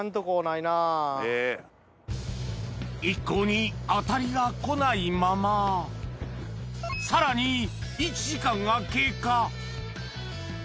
一向に当たりが来ないままさらに１時間が経過・